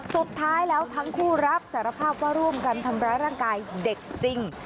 สุดท้ายแล้วทั้งคู่รับสารภาพว่าร่วมกันทำร้ายร่างกายเด็กจริง